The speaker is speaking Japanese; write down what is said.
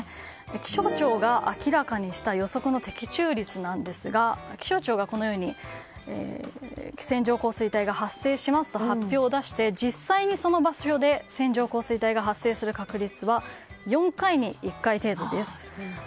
気象庁が明らかにした予測の的中率ですが気象庁が線状降水帯が発生しますと発表を出して実際にその場所で線状降水帯が発生する確率は４回に１回程度です。